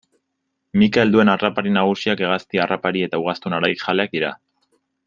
Mika helduen harrapari nagusiak hegazti harrapari eta ugaztun haragijaleak dira.